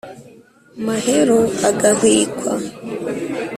mahero agahwikwa